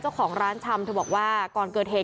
เจ้าของร้านชำเธอบอกว่าก่อนเกิดเหตุ